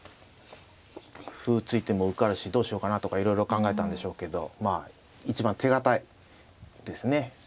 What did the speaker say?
歩突いても受かるしどうしようかなとかいろいろ考えたんでしょうけどまあ一番手堅いですね。